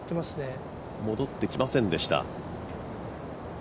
戻ってきませんでした。